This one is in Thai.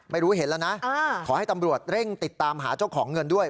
ไม่รู้เห็นแล้วนะขอให้ตำรวจเร่งติดตามหาเจ้าของเงินด้วย